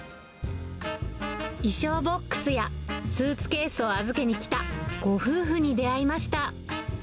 衣装ボックスやスーツケースを預けに来たご夫婦に出会いました。